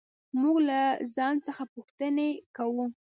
موږ له ځان څخه پوښتنې کوو.